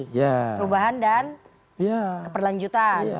perubahan dan keperlanjutan